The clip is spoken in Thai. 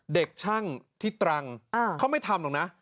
เด็กช่างที่ตรังเขาไม่ทำหรอกนะ